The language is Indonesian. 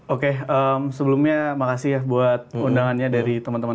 oke sebelumnya makasih ya buat undangannya dari teman teman